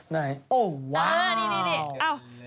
ไหนโอ้วว้าวดี